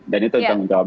dan itu tanggung jawab